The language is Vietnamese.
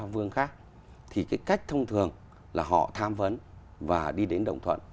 vương khác thì cái cách thông thường là họ tham vấn và đi đến đồng thuận